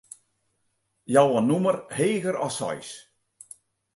Jou in nûmer heger as seis.